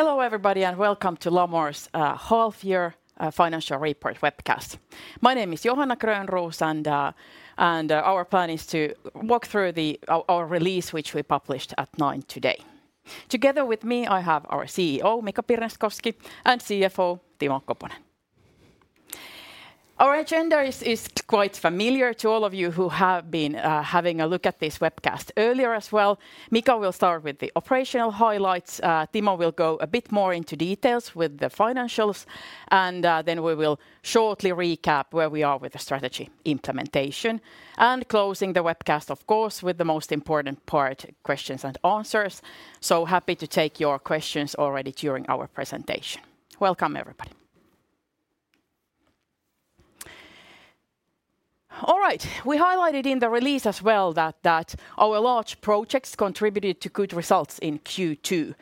Hello, everybody, and welcome to Lamor's half year financial report webcast. My name is Johanna Grönroos, and our plan is to walk through our release, which we published at 9:00 today. Together with me, I have our CEO, Mika Pirneskoski, and CFO, Timo Koponen. Our agenda is quite familiar to all of you who have been having a look at this webcast earlier as well. Mika will start with the operational highlights. Timo will go a bit more into details with the financials, then we will shortly recap where we are with the strategy implementation. Closing the webcast, of course, with the most important part, questions and answers. Happy to take your questions already during our presentation. Welcome, everybody. All right. We highlighted in the release as well that our large projects contributed to good results in Q2.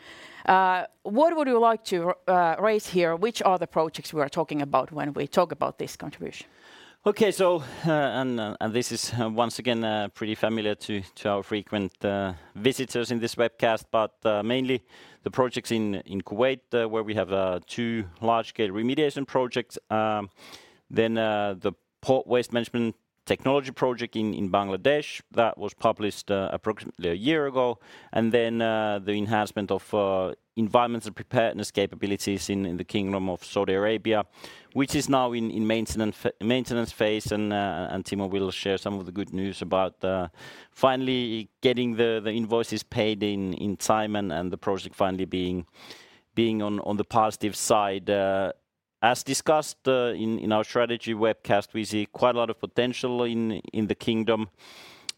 What would you like to raise here? Which are the projects we are talking about when we talk about this contribution? Okay. This is once again pretty familiar to our frequent visitors in this webcast, mainly the projects in Kuwait, where we have two large-scale remediation projects. The port waste management technology project in Bangladesh, that was published approximately a year ago. The enhancement of environmental preparedness capabilities in the Kingdom of Saudi Arabia, which is now in maintenance phase. Timo will share some of the good news about finally getting the invoices paid in time, and the project finally being on the positive side. As discussed in our strategy webcast, we see quite a lot of potential in the Kingdom.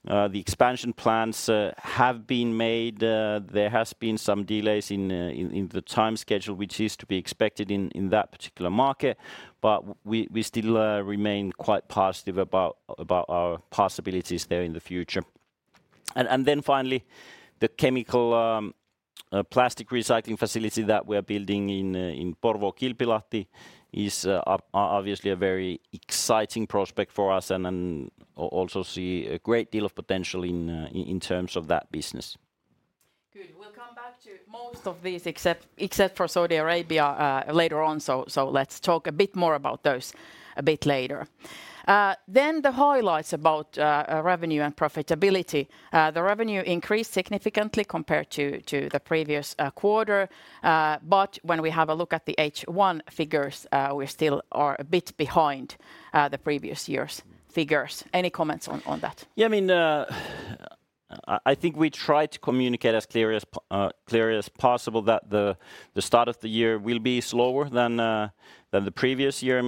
The expansion plans have been made. There has been some delays in the time schedule, which is to be expected in that particular market, but we still remain quite positive about our possibilities there in the future. Finally, the chemical plastic recycling facility that we are building in Porvoo-Kilpilahti is obviously a very exciting prospect for us, and then also see a great deal of potential in terms of that business. Good. We'll come back to most of these, except for Saudi Arabia later on. Let's talk a bit more about those a bit later. Then the highlights about revenue and profitability. The revenue increased significantly compared to the previous quarter. When we have a look at the H1 figures, we still are a bit behind the previous year's figures. Any comments on that? Yeah, I mean, I think we tried to communicate as clear as possible that the start of the year will be slower than the previous year.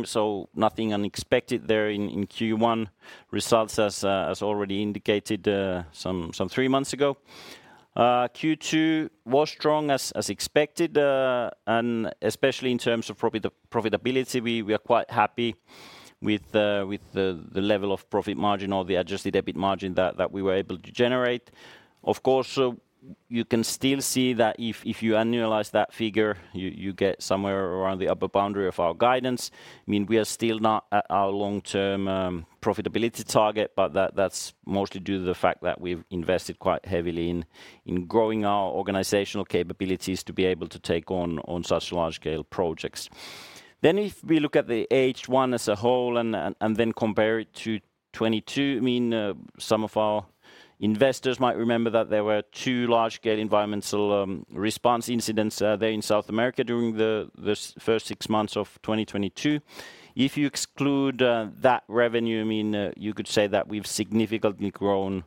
Nothing unexpected there in Q1 results as already indicated some three months ago. Q2 was strong as expected, and especially in terms of profitability, we are quite happy with the level of profit margin or the adjusted EBIT margin that we were able to generate. Of course, you can still see that if you annualize that figure, you get somewhere around the upper boundary of our guidance. I mean, we are still not at our long-term profitability target, but that's mostly due to the fact that we've invested quite heavily in growing our organizational capabilities to be able to take on such large-scale projects. If we look at the H1 as a whole and then compare it to 2022, I mean, some of our investors might remember that there were two large-scale environmental response incidents there in South America during the first six months of 2022. If you exclude that revenue, I mean, you could say that we've significantly grown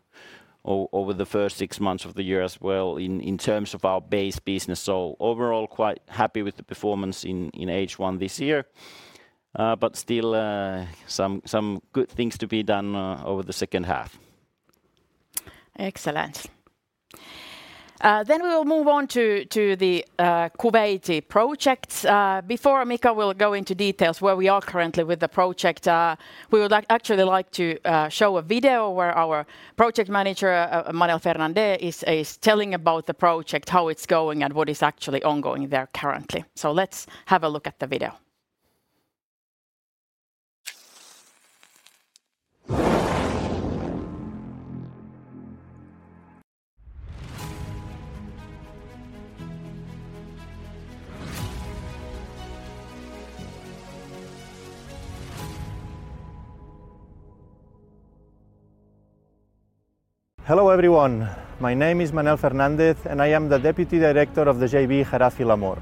over the first six months of the year as well in terms of our base business. Overall, quite happy with the performance in H1 this year, but still, some good things to be done, over the second half. Excellent. We will move on to the Kuwaiti projects. Before Mika will go into details where we are currently with the project, we would actually like to show a video where our project manager, Manel Fernandez, is telling about the project, how it's going, and what is actually ongoing there currently. Let's have a look at the video. Hello, everyone. My name is Manel Fernandez. I am the deputy director of the JV Kharafi Lamor.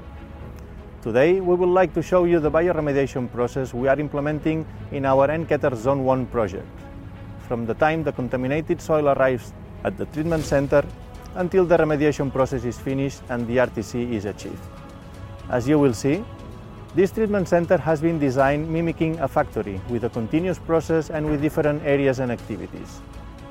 Today, we would like to show you the bioremediation process we are implementing in our NKETR Zone 1 project. From the time the contaminated soil arrives at the treatment center, until the remediation process is finished and the RTC is achieved. As you will see, this treatment center has been designed mimicking a factory with a continuous process and with different areas and activities.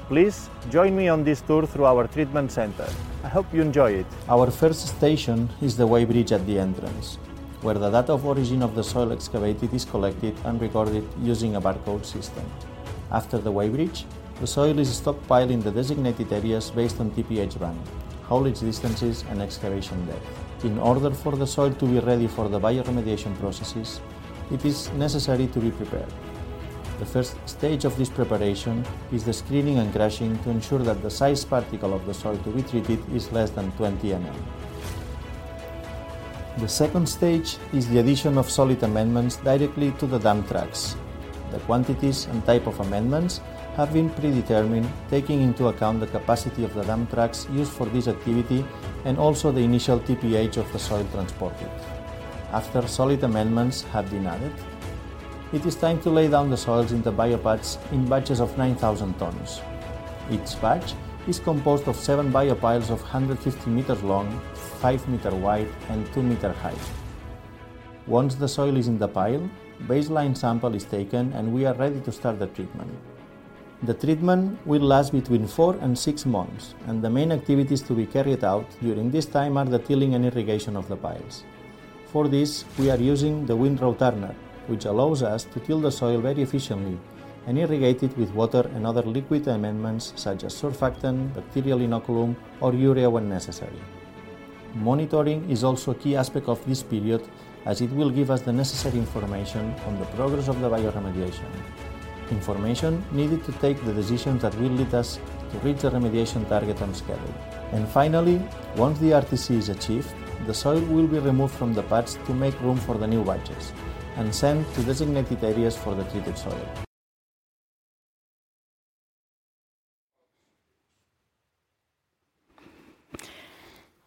Please join me on this tour through our treatment center. I hope you enjoy it. Our first station is the weighbridge at the entrance, where the data of origin of the soil excavated is collected and recorded using a barcode system. After the weighbridge, the soil is stockpiled in the designated areas based on TPH brand, haulage distances, and excavation depth. In order for the soil to be ready for the bioremediation processes, it is necessary to be prepared. The first stage of this preparation is the screening and crushing to ensure that the size particle of the soil to be treated is less than 20 mm. The second stage is the addition of solid amendments directly to the dump trucks. The quantities and type of amendments have been predetermined, taking into account the capacity of the dump trucks used for this activity, and also the initial TPH of the soil transported. After solid amendments have been added, it is time to lay down the soils in the biopads in batches of 9,000 tons. Each batch is composed of seven biopiles of 150 meters long, five meter wide, and two meter high. Once the soil is in the pile, baseline sample is taken, and we are ready to start the treatment. The treatment will last between four and six months, and the main activities to be carried out during this time are the tilling and irrigation of the piles. For this, we are using the windrow turner, which allows us to till the soil very efficiently and irrigate it with water and other liquid amendments, such as surfactant, bacterial inoculum, or urea when necessary. Monitoring is also a key aspect of this period, as it will give us the necessary information on the progress of the bioremediation. Information needed to take the decisions that will lead us to reach the Remediation Target on schedule. Finally, once the RTC is achieved, the soil will be removed from the pads to make room for the new batches and sent to designated areas for the treated soil.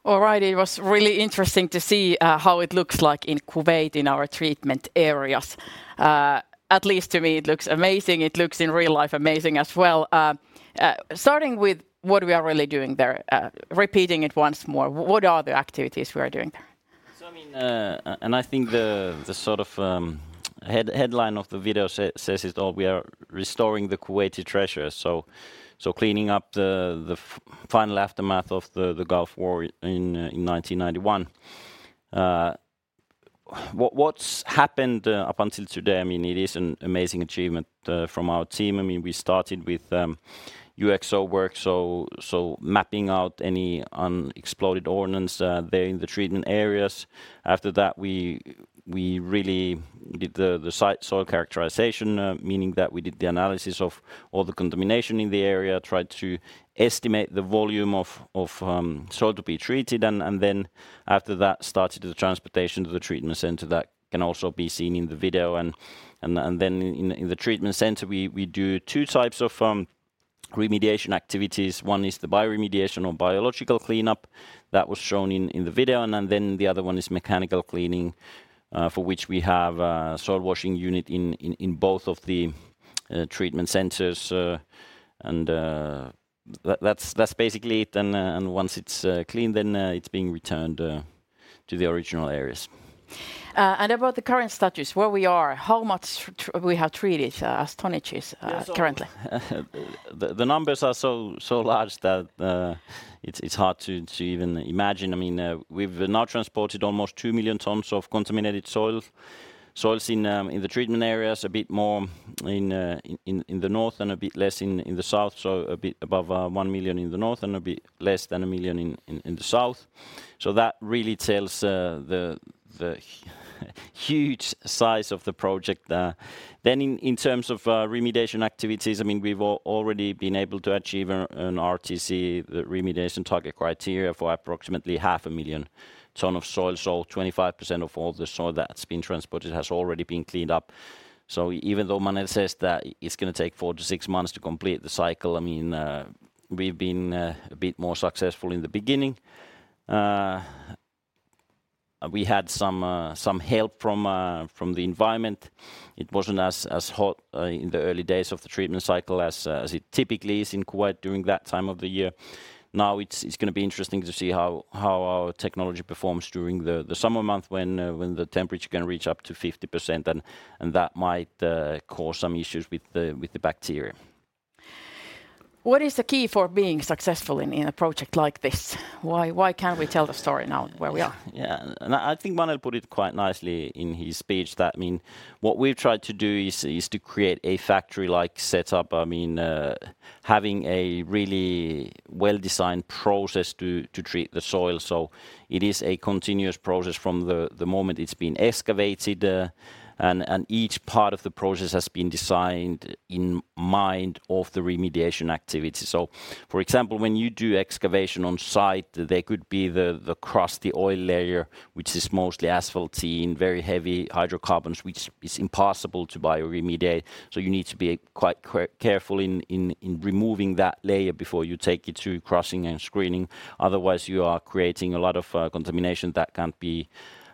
All right, it was really interesting to see how it looks like in Kuwait in our treatment areas. At least to me, it looks amazing. It looks in real life amazing as well. Starting with what we are really doing there, repeating it once more, what are the activities we are doing there? I mean, I think the sort of, headline of the video says it all, we are restoring the Kuwaiti treasure, so cleaning up the final aftermath of the Gulf War in 1991. What's happened up until today, I mean, it is an amazing achievement from our team. I mean, we started with UXO work, so mapping out any unexploded ordnance there in the treatment areas. After that, we really did the site soil characterization, meaning that we did the analysis of all the contamination in the area, tried to estimate the volume of soil to be treated, and then after that, started the transportation to the treatment center. That can also be seen in the video. Then in the treatment center, we do two types of remediation activities. One is the bioremediation or biological cleanup that was shown in the video, and then the other one is mechanical cleaning, for which we have a soil washing unit in both of the treatment centers. That's basically it, and once it's cleaned, then it's being returned to the original areas. About the current status, where we are, how much we have treated, tonnages, currently? The numbers are so large that it's hard to even imagine. I mean, we've now transported almost 2 million tons of contaminated soil, soils in the treatment areas, a bit more in the north and a bit less in the south, so a bit above 1 million in the north and a bit less than 1 million in the south. That really tells the huge size of the project there. In terms of remediation activities, I mean, we've already been able to achieve an RTC, the Remediation Target Criteria, for approximately half a million ton of soil. 25% of all the soil that's been transported has already been cleaned up. Even though Manel says that it's gonna take four to six months to complete the cycle, I mean, we've been a bit more successful in the beginning. We had some help from the environment. It wasn't as hot in the early days of the treatment cycle as it typically is in Kuwait during that time of the year. Now, it's gonna be interesting to see how our technology performs during the summer month when the temperature can reach up to 50%, and that might cause some issues with the bacteria. What is the key for being successful in a project like this? Why can't we tell the story now, where we are? I think Manel put it quite nicely in his speech that, I mean, what we've tried to do is to create a factory-like setup. I mean, having a really well-designed process to treat the soil, so it is a continuous process from the moment it's been excavated, and each part of the process has been designed in mind of the remediation activity. For example, when you do excavation on site, there could be the crusty oil layer, which is mostly asphaltene, very heavy hydrocarbons, which is impossible to bioremediate, so you need to be quite careful in removing that layer before you take it to crushing and screening. You are creating a lot of contamination that can't be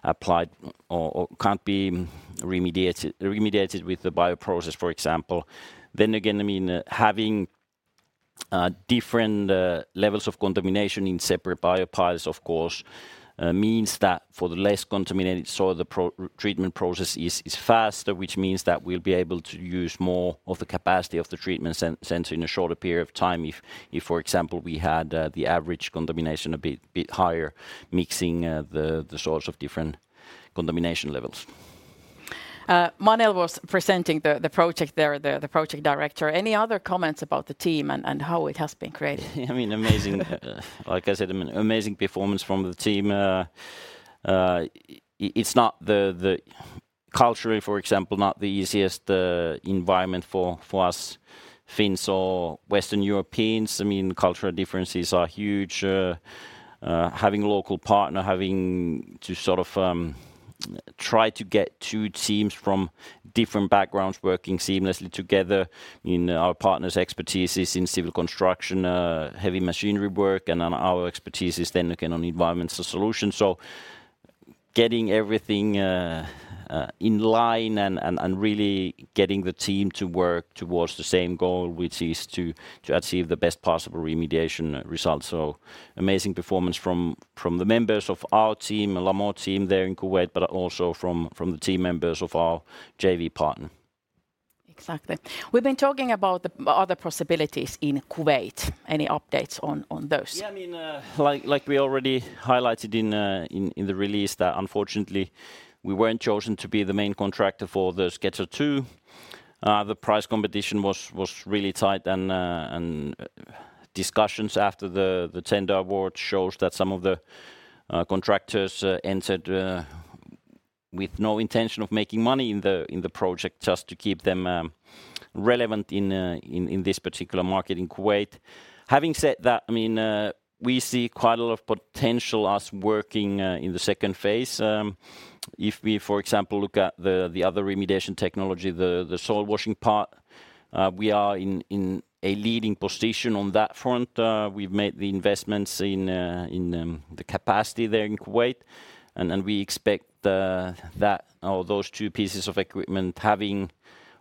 applied or can't be remediated with the bioprocess, for example. Again, I mean, having different levels of contamination in separate biopiles, of course, means that for the less contaminated soil, the treatment process is faster, which means that we'll be able to use more of the capacity of the treatment center in a shorter period of time, if, for example, we had the average contamination a bit higher, mixing the soils of different contamination levels. Manel was presenting the project there, the project director. Any other comments about the team and how it has been created? Yeah, I mean, amazing. Like I said, an amazing performance from the team. It's not the culturally, for example, not the easiest environment for us Finns or Western Europeans. I mean, cultural differences are huge. Having a local partner, having to sort of, try to get two teams from different backgrounds working seamlessly together. I mean, our partner's expertise is in civil construction, heavy machinery work, and then our expertise is then again on environmental solutions. Getting everything in line and really getting the team to work towards the same goal, which is to achieve the best possible remediation results. Amazing performance from the members of our team, the Lamor team there in Kuwait, but also from the team members of our JV partner. Exactly. We've been talking about the other possibilities in Kuwait. Any updates on those? I mean, like we already highlighted in the release, that unfortunately we weren't chosen to be the main contractor for the Schedule II. The price competition was really tight, discussions after the tender award shows that some of the contractors entered with no intention of making money in the project, just to keep them relevant in this particular market in Kuwait. Having said that, I mean, we see quite a lot of potential us working in the second phase. If we, for example, look at the other remediation technology, the soil washing part, we are in a leading position on that front. We've made the investments in the capacity there in Kuwait, and then we expect those two pieces of equipment having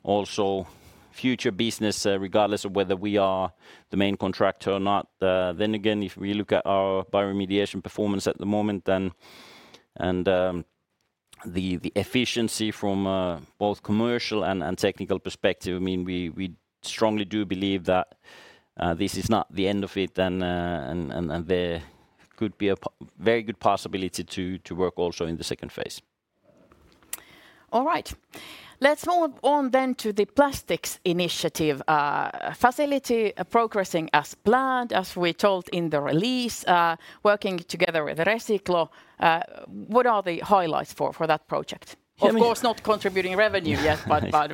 also future business regardless of whether we are the main contractor or not. Again, if we look at our bioremediation performance at the moment, then, and the efficiency from both commercial and technical perspective, I mean, we strongly do believe that this is not the end of it, and there could be a very good possibility to work also in the second phase. All right. Let's move on to the plastics initiative. Facility progressing as planned, as we told in the release, working together with Resiclo. What are the highlights for that project? I mean- Of course, not contributing revenue yet.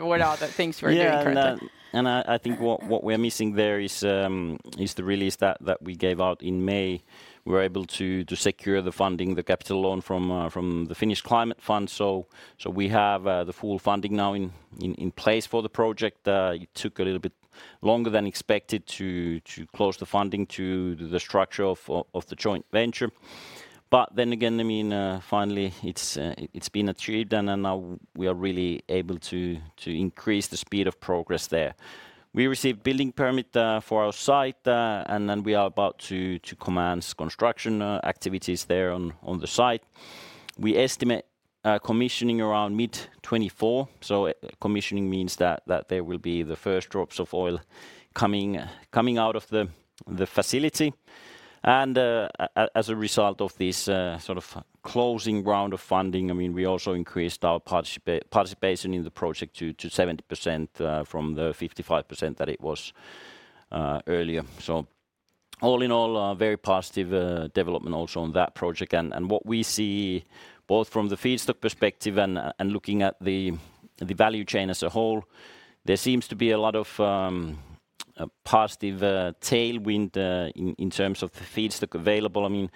What are the things we're doing currently? Yeah, and I think what we're missing there is the release that we gave out in May. We were able to secure the funding, the capital loan from the Finnish Climate Fund. We have the full funding now in place for the project. It took a little bit longer than expected to close the funding to the structure of the joint venture. I mean, finally, it's been achieved, we are really able to increase the speed of progress there. We received building permit for our site, we are about to commence construction activities there on the site. We estimate commissioning around mid 2024. Commissioning means that there will be the first drops of oil coming out of the facility. As a result of this sort of closing round of funding, I mean, we also increased our participation in the project to 70%, from the 55% that it was earlier. All in all, a very positive development also on that project. What we see, both from the feedstock perspective and looking at the value chain as a whole, there seems to be a lot of a positive tailwind in terms of the feedstock available. I mean,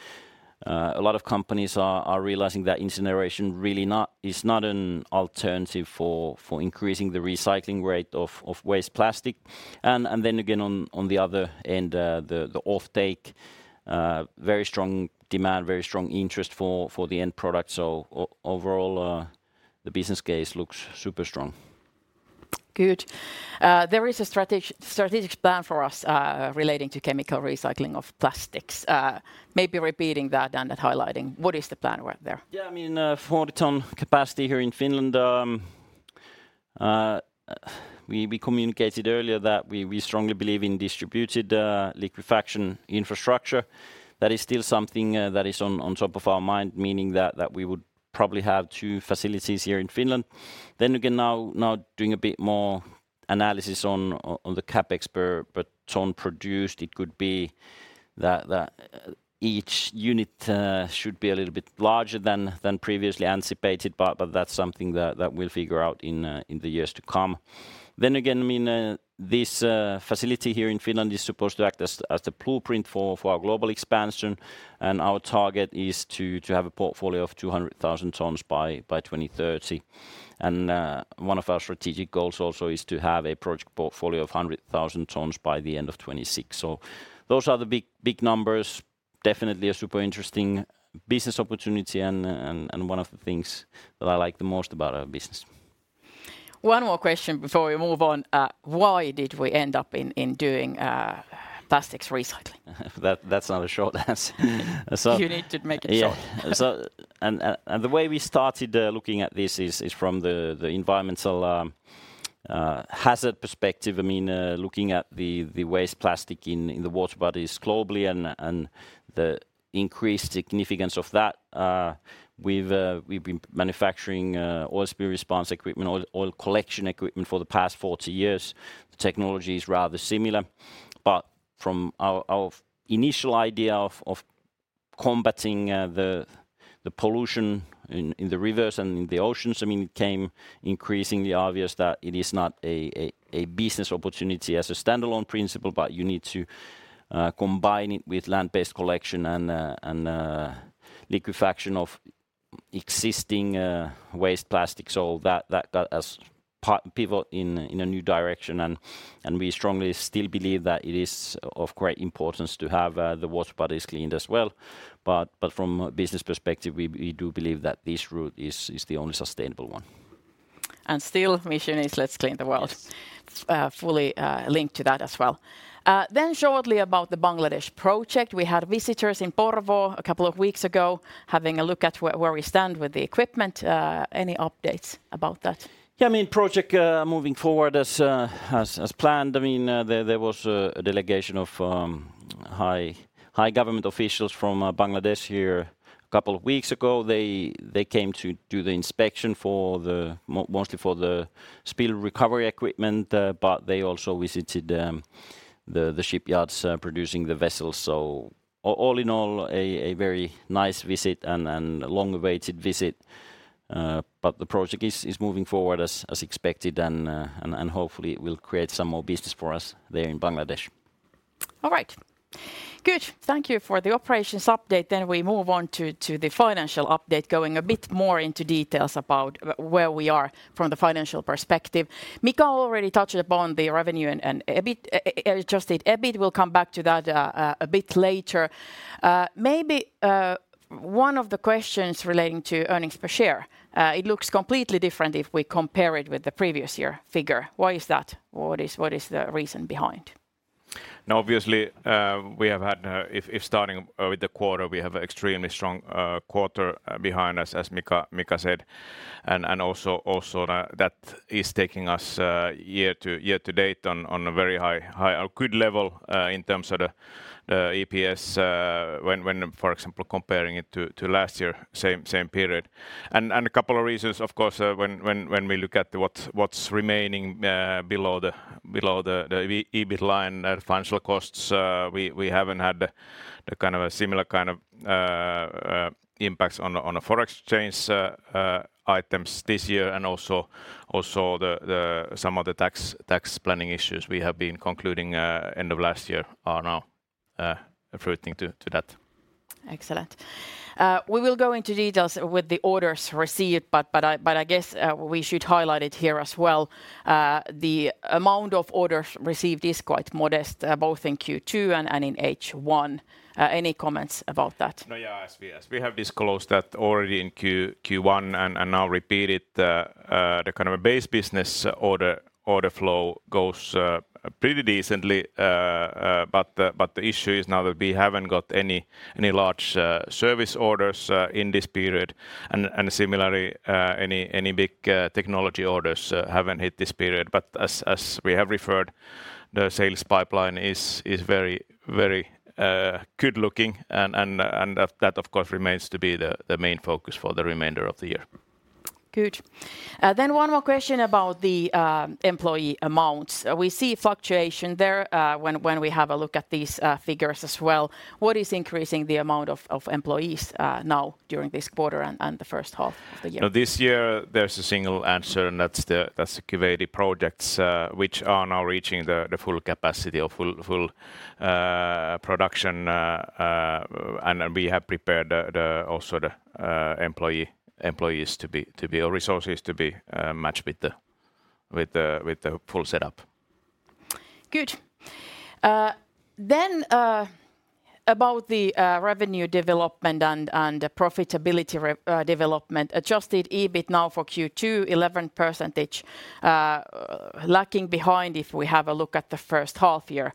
a lot of companies are realizing that incineration really is not an alternative for increasing the recycling rate of waste plastic. Then again, on the other end, the offtake, very strong demand, very strong interest for the end product. Overall, the business case looks super strong. Good. There is a strategic plan for us, relating to chemical recycling of plastics. Maybe repeating that and highlighting what is the plan right there? I mean, for the ton capacity here in Finland, we communicated earlier that we strongly believe in distributed liquefaction infrastructure. That is still something that is on top of our mind, meaning that we would probably have two facilities here in Finland. Now doing a bit more analysis on the CapEx per ton produced, it could be that each unit should be a little bit larger than previously anticipated, but that's something that we'll figure out in the years to come. I mean, this facility here in Finland is supposed to act as the blueprint for our global expansion. Our target is to have a portfolio of 200,000 tons by 2030. One of our strategic goals also is to have a project portfolio of 100,000 tons by the end of 2026. Those are the big, big numbers. Definitely a super interesting business opportunity and one of the things that I like the most about our business. One more question before we move on. Why did we end up in doing plastics recycling? That's not a short answer. You need to make it short. Yeah. The way we started looking at this is from the environmental hazard perspective. I mean, looking at the waste plastic in the water bodies globally and the increased significance of that. We've been manufacturing oil spill response equipment, oil collection equipment for the past 40 years. The technology is rather similar, from our initial idea of combating the pollution in the rivers and in the oceans, I mean, it came increasingly obvious that it is not a business opportunity as a standalone principle, but you need to combine it with land-based collection and liquefaction of existing waste plastic. That has people in a new direction. We strongly still believe that it is of great importance to have the water bodies cleaned as well. From a business perspective, we do believe that this route is the only sustainable one. Still mission is let's clean the world. Yes. Fully linked to that as well. Shortly about the Bangladesh project, we had visitors in Porvoo a couple of weeks ago, having a look at where we stand with the equipment. Any updates about that? Yeah, I mean, project moving forward as planned. I mean, there was a delegation of high government officials from Bangladesh here a couple of weeks ago. They came to do the inspection mostly for the spill recovery equipment, but they also visited the shipyards producing the vessels. All in all, a very nice visit and a long-awaited visit. The project is moving forward as expected, and hopefully it will create some more business for us there in Bangladesh. All right. Good. Thank you for the operations update. We move on to the financial update, going a bit more into details about where we are from the financial perspective. Mika already touched upon the revenue and EBIT, adjusted EBIT. We'll come back to that a bit later. Maybe one of the questions relating to earnings per share, it looks completely different if we compare it with the previous year figure. Why is that? What is the reason behind? Obviously, we have had. If starting with the quarter, we have extremely strong quarter behind us, as Mika said, and also that is taking us year to date on a very high, good level in terms of the EPS when, for example, comparing it to last year, same period. A couple of reasons, of course, when we look at what's remaining below the EBIT line, financial costs, we haven't had the kind of a similar kind of impacts on the forex change items this year. Also the. Some of the tax planning issues we have been concluding, end of last year are now affecting to that. Excellent. We will go into details with the orders received, but I guess, we should highlight it here as well. The amount of orders received is quite modest, both in Q2 and in H1. Any comments about that? Yeah, as we have disclosed that already in Q1, and now repeated, the kind of a base business order flow goes pretty decently. The issue is now that we haven't got any large service orders in this period. Similarly, any big technology orders haven't hit this period. As we have referred, the sales pipeline is very good-looking. That, of course, remains to be the main focus for the remainder of the year. Good. One more question about the employee amounts. We see fluctuation there, when we have a look at these figures as well. What is increasing the amount of employees, now during this quarter and the first half of the year? This year there's a single answer, and that's the Kuwaiti projects, which are now reaching the full capacity or full production. We have prepared the also the our resources to be matched with the full setup. Good. About the revenue development and the profitability development, adjusted EBIT now for Q2, 11%, lagging behind if we have a look at the first half year,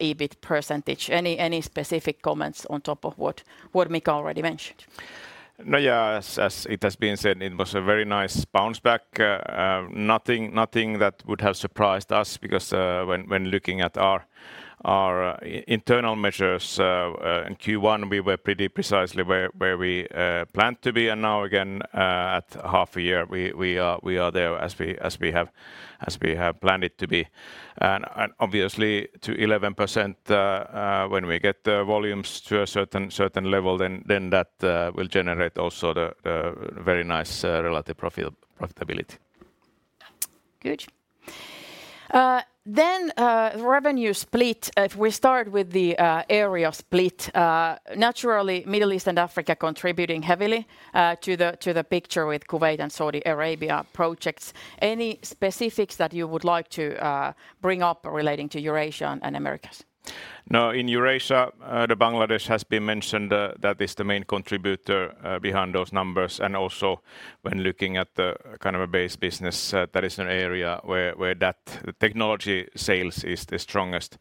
EBIT %. Any specific comments on top of what Mika already mentioned? No, yeah, as it has been said, it was a very nice bounce back. Nothing that would have surprised us, because when looking at our internal measures, in Q1, we were pretty precisely where we planned to be. Now again, at half a year, we are there as we have planned it to be. Obviously, to 11%, when we get the volumes to a certain level, then that will generate also the very nice relative profitability. Good. Revenue split. If we start with the area split, naturally, Middle East and Africa contributing heavily to the picture with Kuwait and Saudi Arabia projects. Any specifics that you would like to bring up relating to Eurasia and Americas? Now, in Eurasia, the Bangladesh has been mentioned, that is the main contributor behind those numbers. Also when looking at the kind of a base business, that is an area where that technology sales is the strongest.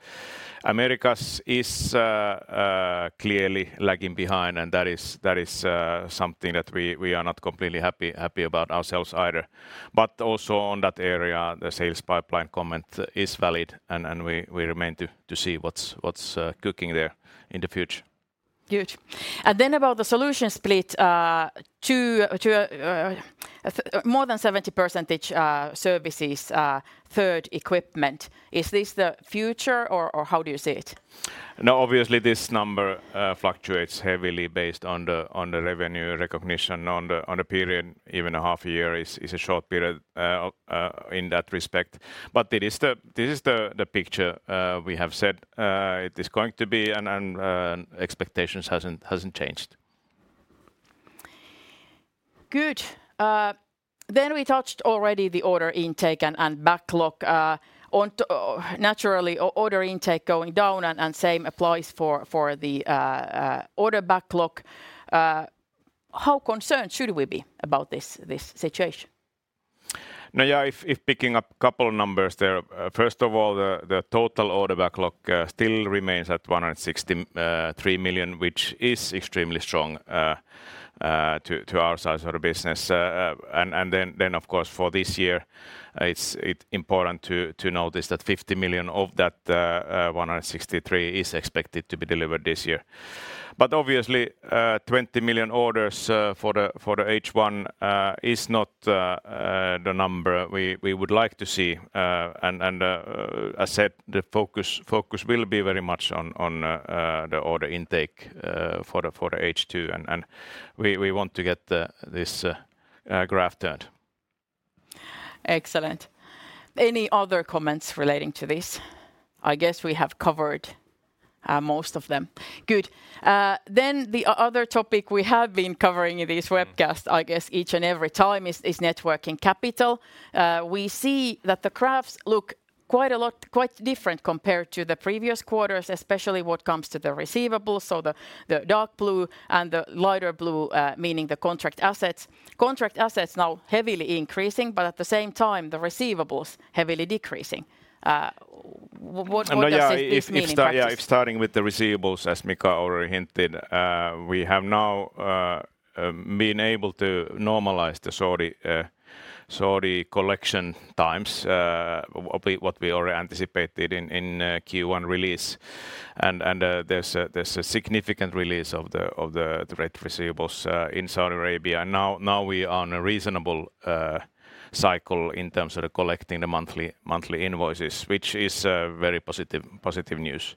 Americas is clearly lagging behind, and that is something that we are not completely happy about ourselves either. Also on that area, the sales pipeline comment is valid, and we remain to see what's cooking there in the future. Good. About the solution split, more than 70% services, 1/3 equipment. Is this the future, or how do you see it? Obviously, this number fluctuates heavily based on the revenue recognition on a period, even a half a year is a short period in that respect. This is the picture we have said it is going to be, and expectations hasn't changed. Good. We touched already the order intake and backlog. Naturally, order intake going down, and same applies for the order backlog. How concerned should we be about this situation? Yeah, if picking up a couple numbers there, first of all, the total order backlog still remains at 163 million, which is extremely strong to our size of the business. Then of course, for this year, it's important to notice that 50 million of that 163 million is expected to be delivered this year. Obviously, 20 million orders for the H1 is not the number we would like to see. I said the focus will be very much on the order intake for the H2, and we want to get this graph turned. Excellent. Any other comments relating to this? I guess we have covered most of them. Good. The other topic we have been covering in this webcast, I guess each and every time, is net working capital. We see that the graphs look quite different compared to the previous quarters, especially when it comes to the receivables, so the dark blue and the lighter blue, meaning the contract assets. Contract assets now heavily increasing, but at the same time, the receivables heavily decreasing. What does this mean in practice? Yeah, if starting with the receivables, as Mika already hinted, we have now been able to normalize the Saudi collection times, what we already anticipated in Q1 release. There's a significant release of the receivables in Saudi Arabia. Now we are on a reasonable cycle in terms of collecting the monthly invoices, which is very positive news.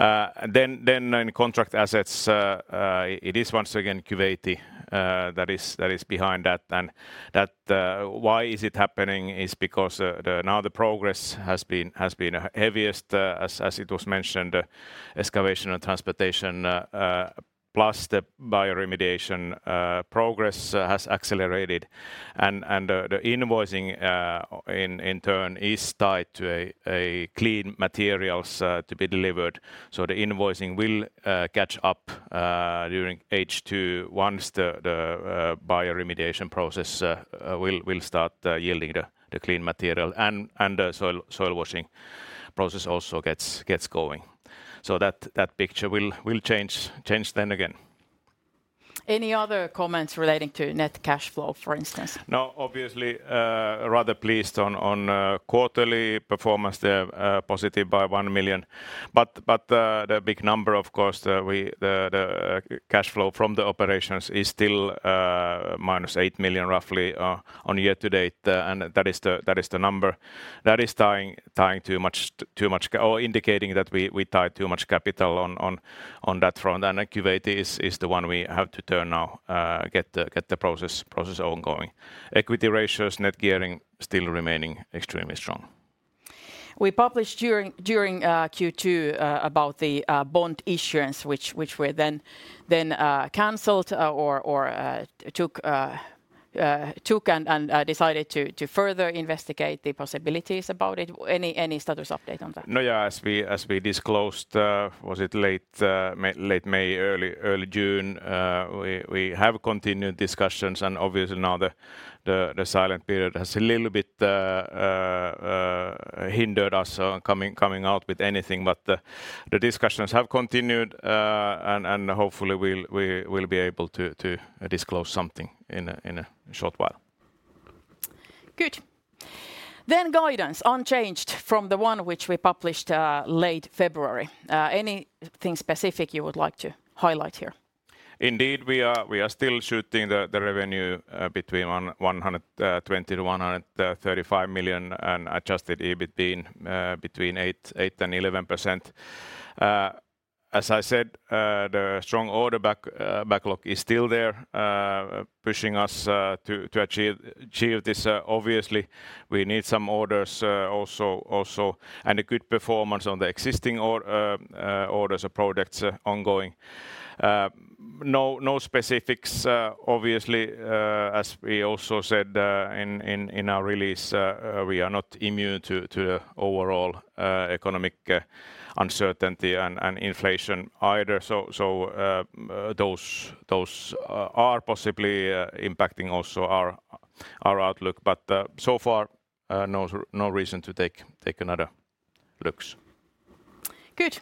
In contract assets, it is once again Kuwaiti that is behind that. That, why is it happening is because now the progress has been heaviest, as it was mentioned, excavation and transportation, plus the bioremediation progress has accelerated. The invoicing, in turn, is tied to a clean materials to be delivered. The invoicing will catch up during H2 once the bioremediation process will start yielding the clean material, and the soil washing process also gets going. That picture will change then again. Any other comments relating to net cash flow, for instance? Obviously, rather pleased on quarterly performance there, positive by 1 million. The big number, of course, cash flow from the operations is still -8 million, roughly, on year-to-date. That is the number that is tying too much or indicating that we tied too much capital on that front. Kuwaiti is the one we have to turn now, get the process ongoing. Equity ratios, net gearing, still remaining extremely strong. We published during Q2, about the bond issuance, which were then canceled, or took and decided to further investigate the possibilities about it. Any status update on that? No, yeah, as we disclosed, was it late May, early June, we have continued discussions and obviously now the silent period has a little bit hindered us on coming out with anything. The discussions have continued, and hopefully we will be able to disclose something in a short while. Good. Guidance unchanged from the one which we published, late February. Anything specific you would like to highlight here? Indeed, we are still shooting the revenue between 120 million and 135 million, and adjusted EBIT being between 8% and 11%. As I said, the strong order backlog is still there, pushing us to achieve this. Obviously, we need some orders also, and a good performance on the existing orders or products ongoing. No specifics, obviously, as we also said in our release, we are not immune to the overall economic uncertainty and inflation either. Those are possibly impacting also our outlook. So far, no reason to take another looks. Good.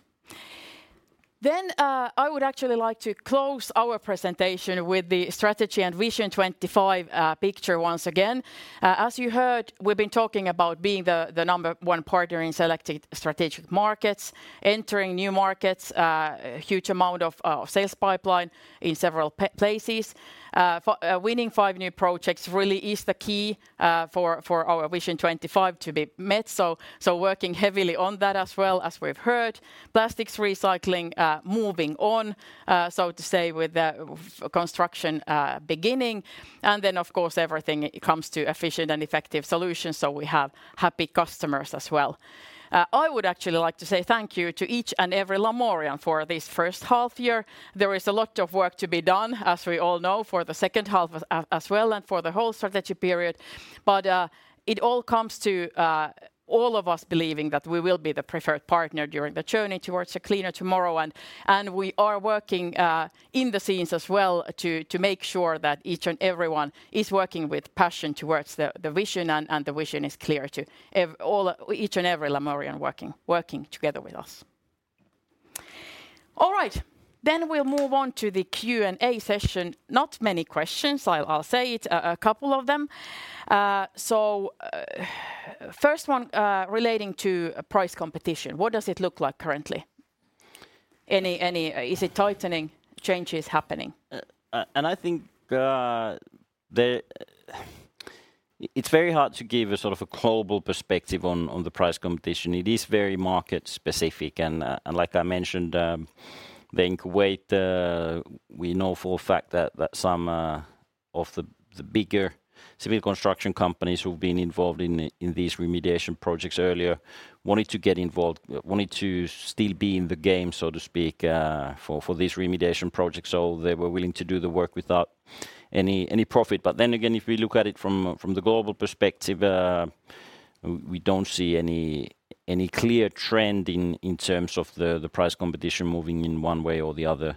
I would actually like to close our presentation with the strategy and Vision 2025 picture once again. As you heard, we've been talking about being the number one partner in selected strategic markets, entering new markets, huge amount of sales pipeline in several places. Winning five new projects really is the key for our Vision 2025 to be met, so working heavily on that as well as we've heard. Plastics recycling, moving on, so to say, with the construction beginning, and then, of course, everything comes to efficient and effective solutions, so we have happy customers as well. I would actually like to say thank you to each and every Lamorian for this first half year. There is a lot of work to be done, as we all know, for the second half as well, and for the whole strategy period. It all comes to all of us believing that we will be the preferred partner during the journey towards a cleaner tomorrow, and we are working in the scenes as well to make sure that each and everyone is working with passion towards the vision, and the vision is clear to all, each and every Lamorian working together with us. All right, we'll move on to the Q&A session. Not many questions, I'll say it, a couple of them. First one, relating to price competition, what does it look like currently? Any... Is it tightening, changes happening? And I think it's very hard to give a sort of a global perspective on the price competition. It is very market specific. Like I mentioned, in Kuwait, we know for a fact that some of the bigger civil construction companies who've been involved in these remediation projects earlier wanted to get involved, wanted to still be in the game, so to speak, for these remediation projects. They were willing to do the work without any profit. Again, if we look at it from the global perspective, we don't see any clear trend in terms of the price competition moving in one way or the other.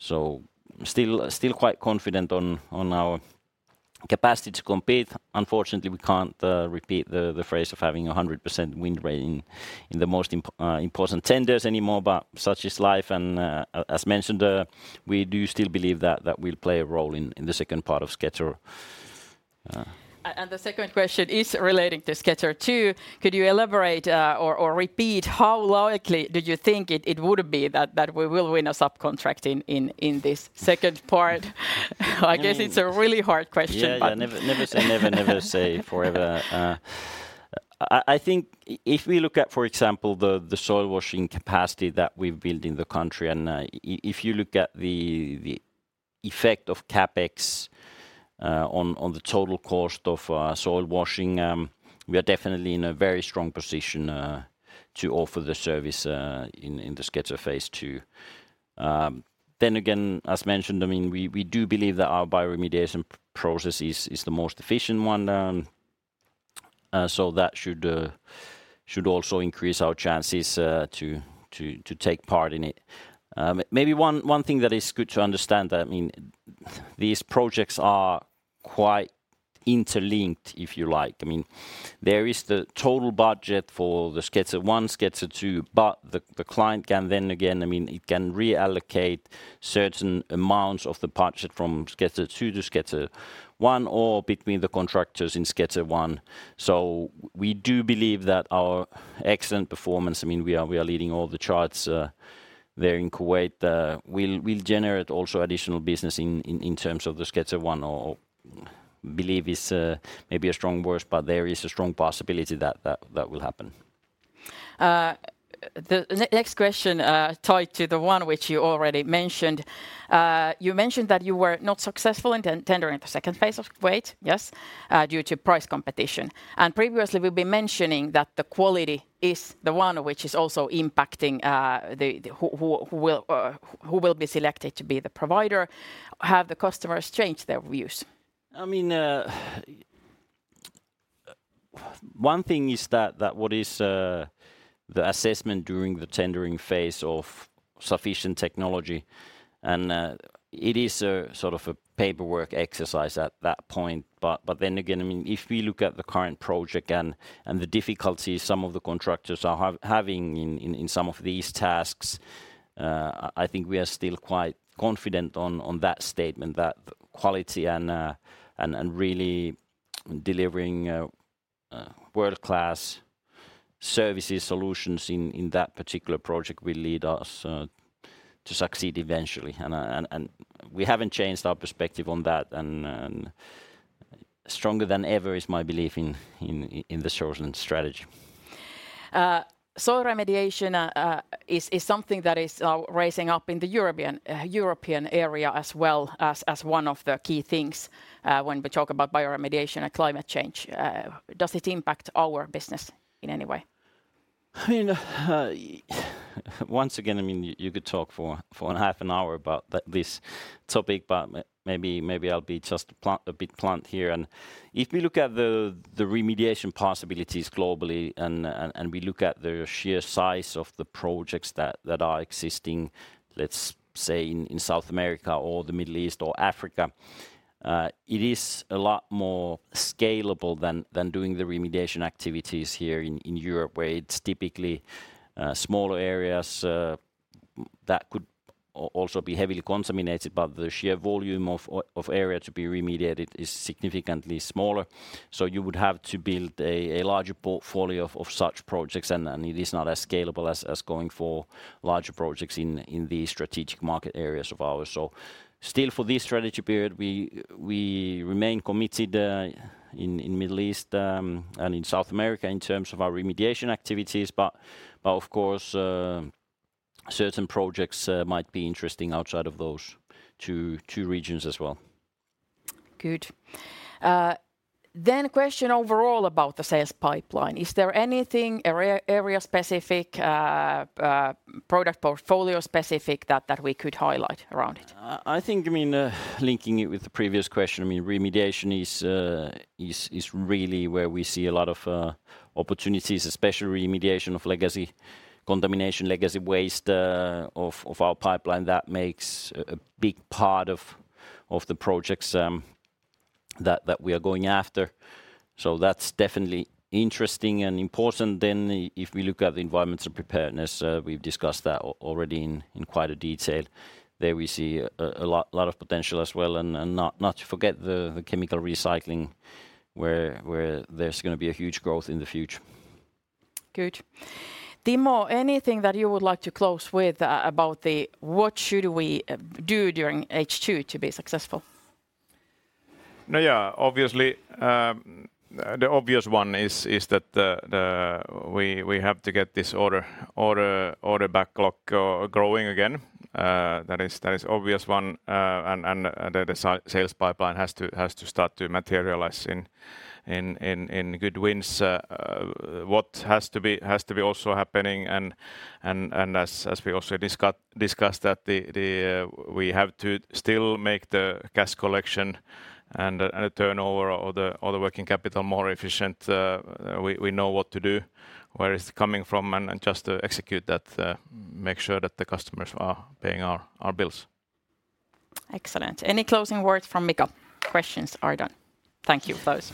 Still quite confident on our capacity to compete. Unfortunately, we can't repeat the phrase of having 100% win rate in the most important tenders anymore, but such is life, and as mentioned, we do still believe that we'll play a role in the second part of SKETR. The second question is relating to SKETR-2. Could you elaborate or repeat how likely did you think it would be that we will win a subcontract in this second part? I guess it's a really hard question. Yeah, yeah. Never, never say, never say forever. I think if we look at, for example, the soil washing capacity that we've built in the country, and if you look at the effect of CapEx on the total cost of soil washing, we are definitely in a very strong position to offer the service in the SKETR phase II. Again, as mentioned, I mean, we do believe that our bioremediation process is the most efficient one. That should also increase our chances to take part in it. Maybe one thing that is good to understand that, I mean, these projects are quite interlinked, if you like. I mean, there is the total budget for the SKETR-1, SKETR-2, but the client can then again... I mean, it can reallocate certain amounts of the budget from SKETR-2 to SKETR-1, or between the contractors in SKETR-1. We do believe that our excellent performance, I mean, we are leading all the charts there in Kuwait, will generate also additional business in terms of the SKETR-1, or believe is maybe a strong words, but there is a strong possibility that will happen. The next question, tied to the one which you already mentioned. You mentioned that you were not successful in tendering the second phase of Kuwait, yes, due to price competition. Previously, we've been mentioning that the quality is the one which is also impacting, the, who will be selected to be the provider. Have the customers changed their views? I mean, one thing is that what is the assessment during the tendering phase of sufficient technology, and it is a sort of a paperwork exercise at that point. Then again, I mean, if we look at the current project and the difficulties some of the contractors are having in some of these tasks, I think we are still quite confident on that statement, that quality and really delivering world-class services solutions in that particular project will lead us to succeed eventually. We haven't changed our perspective on that, and stronger than ever is my belief in the chosen strategy. Soil remediation is something that is rising up in the European area as well as one of the key things when we talk about bioremediation and climate change. Does it impact our business in any way? I mean, once again, I mean, you could talk for half an hour about this topic, but maybe I'll be just blunt, a bit blunt here. If we look at the remediation possibilities globally and we look at the sheer size of the projects that are existing, let's say in South America or the Middle East or Africa. It is a lot more scalable than doing the remediation activities here in Europe, where it's typically smaller areas that could also be heavily contaminated. The sheer volume of area to be remediated is significantly smaller. You would have to build a larger portfolio of such projects, and then it is not as scalable as going for larger projects in the strategic market areas of ours. Still, for this strategy period, we remain committed in Middle East, and in South America in terms of our remediation activities. Of course, certain projects might be interesting outside of those two regions as well. Good. Question overall about the sales pipeline, is there anything area-specific, product portfolio-specific that we could highlight around it? I think linking it with the previous question, remediation is really where we see a lot of opportunities, especially remediation of legacy contamination, legacy waste of our pipeline. That makes a big part of the projects that we are going after. That's definitely interesting and important. If we look at the environmental preparedness, we've discussed that already in quite a detail. There we see a lot of potential as well, and not to forget the chemical recycling, where there's gonna be a huge growth in the future. Good. Timo, anything that you would like to close with about the what should we do during H2 to be successful? Obviously, the obvious one is that we have to get this order backlog growing again. That is obvious one, and the sales pipeline has to start to materialize in good wins. What has to be also happening, and as we also discussed, that we have to still make the cash collection and the turnover or the working capital more efficient. We know what to do, where it's coming from, and just execute that, make sure that the customers are paying our bills. Excellent. Any closing words from Mika? Questions are done. Thank you, both.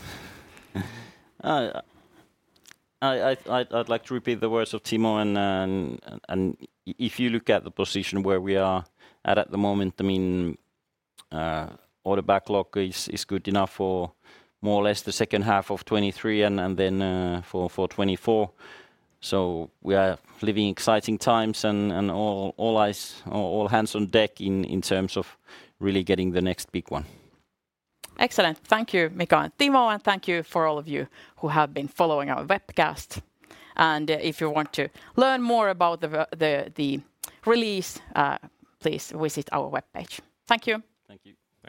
I'd like to repeat the words of Timo. If you look at the position where we are at the moment, I mean, order backlog is good enough for more or less the second half of 2023 and then for 2024. We are living exciting times, and all eyes, all hands on deck in terms of really getting the next big one. Excellent. Thank you, Mika and Timo, and thank you for all of you who have been following our webcast. If you want to learn more about the release, please visit our webpage. Thank you. Thank you.